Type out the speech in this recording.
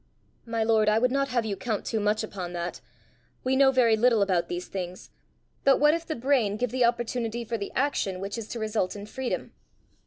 "My lord, I would not have you count too much upon that. We know very little about these things; but what if the brain give the opportunity for the action which is to result in freedom?